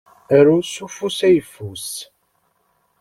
Aru s ufus ayeffus.